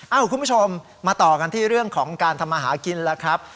คุณผู้ชมมาต่อกันที่เรื่องของการทำมาหากินแล้วครับ